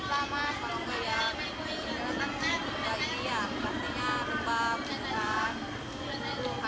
kayak serimut lah mas kalau nggak ya